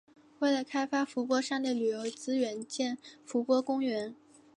为了开发伏波山的旅游资源建伏波公园。